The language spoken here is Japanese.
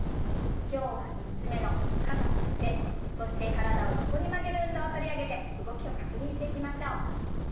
今日は３つ目の肩と腕そして体を横に曲げる運動を取り上げて動きを確認していきましょう。